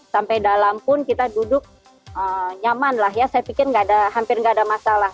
sampai dalam pun kita duduk nyaman lah ya saya pikir hampir nggak ada masalah